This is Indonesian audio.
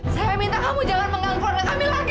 saya minta kamu jangan mengangkut kami lagi